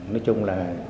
nói chung là